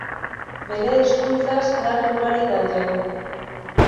Bere hezkuntzaz datu ugari daude.